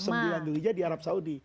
sembilan dhul hijjah di arab saudi